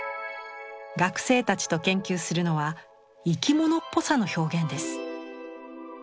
学生たちと研究するのは生き物っぽさの表現です。